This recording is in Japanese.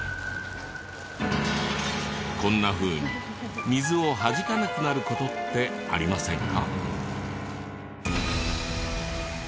こんなふうに水をはじかなくなる事ってありませんか？